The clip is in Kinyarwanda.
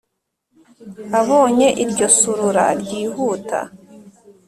abonye iryo surura ryihuta,